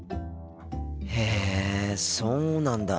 へえそうなんだ。